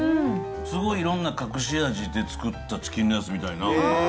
すごいいろんな隠し味で作ったチキンライスみたいな。